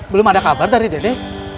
belum ada kabar dari dede